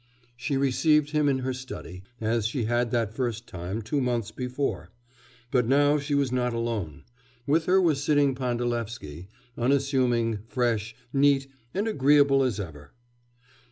She received him in her study, as she had that first time, two months before. But now she was not alone; with her was sitting Pandalevsky, unassuming, fresh, neat, and agreeable as ever.